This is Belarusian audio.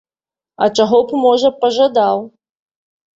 А чаго б, можа, пажадаў!